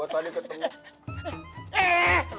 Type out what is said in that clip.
gue tadi ketemu